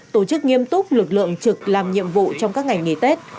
tổ chức nghiêm túc lực lượng trực làm nhiệm vụ trong các ngày nghỉ tết